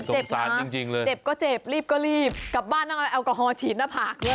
โอ๊ยแต่เจ็บนะเจ็บก็เจ็บรีบก็รีบกลับบ้านนั่งแอลกอฮอล์ฉีดหน้าผากเลย